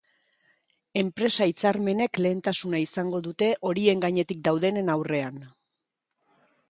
Enpresa hitzarmenek lehentasuna izango dute horien gainetik daudenen aurrean.